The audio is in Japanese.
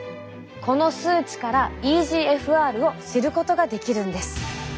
この数値からｅＧＦＲを知ることができるんです。